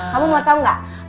kamu mau tau nggak